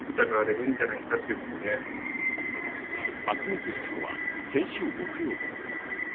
発熱したのは先週木曜日。